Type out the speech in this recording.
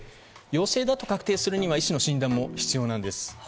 陽性だと確定するには、医師の診断も必要なんです。